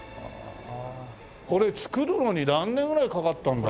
これ造るのに何年ぐらいかかったんだろう？